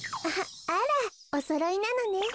あらおそろいなのね。